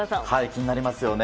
気になりますよね。